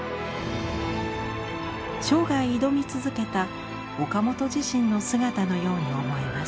生涯挑み続けた岡本自身の姿のように思えます。